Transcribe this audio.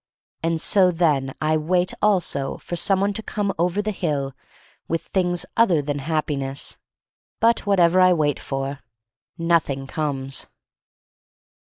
And so, then, I wait also for some one to come over the hill with things other than Happi ness. But whatever I wait for, nothing comes.